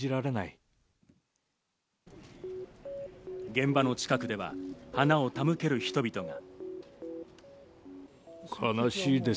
現場の近くでは花を手向ける人々が。